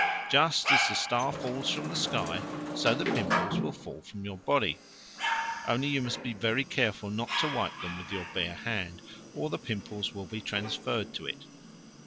Just as the star falls from the sky, so the pimples will fall from your body; only you must be very careful not to wipe them with your bare hand, or the pimples will be transferred to it.